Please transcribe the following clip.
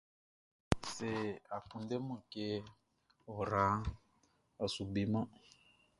Sɛ a kunndɛman kɛ ɔ raʼn, ɔ su beman.